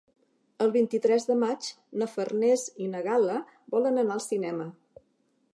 El vint-i-tres de maig na Farners i na Gal·la volen anar al cinema.